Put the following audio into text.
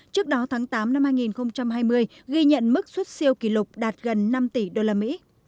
trước đó tháng tám năm hai nghìn hai mươi ghi nhận mức xuất siêu kỷ lục đạt gần năm tỷ usd